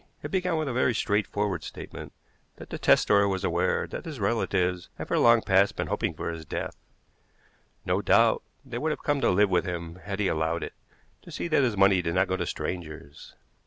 It began with a very straightforward statement that the testator was aware that his relatives had for long past been hoping for his death. No doubt they would have come to live with him had he allowed it, to see that his money did not go to strangers.